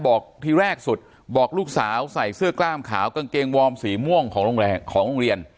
ทีแรกสุดบอกลูกสาวใส่เสื้อกล้ามขาวกางเกงวอร์มสีม่วงของโรงเรียน